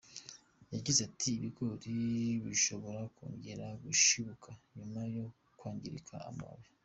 Yagize ati “Ibigori bishobora kongera gushibuka nyuma yo kwangirika amababi.